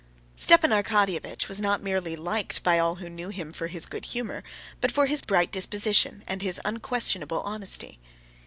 Stepan Arkadyevitch was not merely liked by all who knew him for his good humor, but for his bright disposition, and his unquestionable honesty.